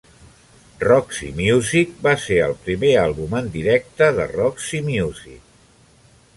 "Roxy Music" va ser el primer àlbum en directe de Roxy Music.